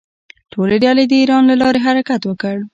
ټولې ډلې د ایران له لارې حرکت وکړ.